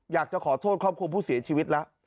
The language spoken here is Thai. อยากจะขอโทษครอบครัวผู้เสียชีวิตแล้ว